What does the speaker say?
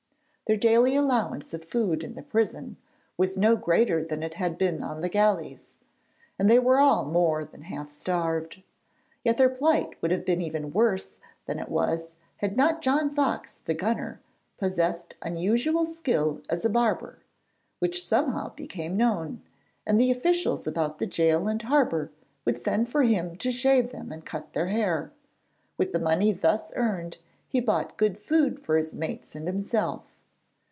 Their daily allowance of food in the prison was no greater than it had been on the galleys, and they were all more than half starved. Yet their plight would have been even worse than it was, had not John Fox the gunner possessed unusual skill as a barber, which somehow became known, and the officials about the gaol and harbour would send for him to shave them and cut their hair. With the money thus earned, he bought good food for his mates and himself.